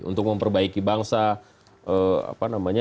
untuk memperbaiki bangsa